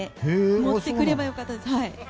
持ってくればよかったです！